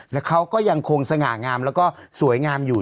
แล้วเขาก็ยังคงสง่างามแล้วก็สวยงามอยู่